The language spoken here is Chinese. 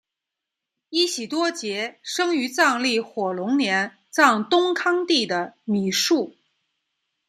依喜多杰生于藏历火龙年藏东康地的米述。